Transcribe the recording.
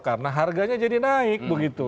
karena harganya jadi naik begitu